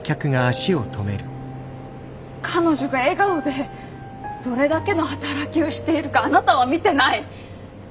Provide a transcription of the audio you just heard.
彼女が笑顔でどれだけの働きをしているかあなたは見てない。